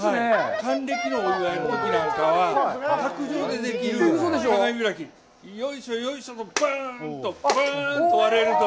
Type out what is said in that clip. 還暦のお祝いのときなんかは卓上でできる鏡開き、よいしょよいしょのバーンと、バンと割れると。